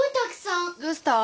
どうした？